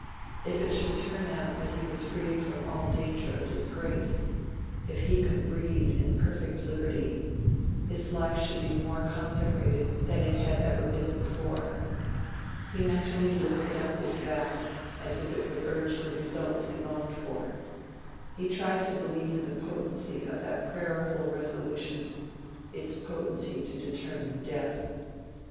If it should turn out that he was freed from all danger of disgrace—if he could breathe in perfect liberty—his life should be more consecrated than it had ever been before. He mentally lifted up this vow as if it would urge the result he longed for—he tried to believe in the potency of that prayerful resolution—its potency to determine death.